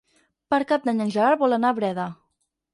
Per Cap d'Any en Gerard vol anar a Breda.